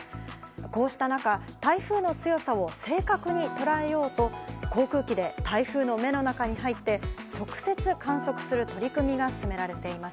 こうした中、台風の強さを正確に捉えようと、航空機で台風の目の中に入って、直接観測する取り組みが進められています。